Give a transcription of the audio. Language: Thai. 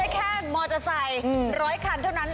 แล้วคุณไม่ใช่แค่มอเตอร์ไซค์๑๐๐คันเท่านั้น